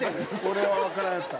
これはわからんやった。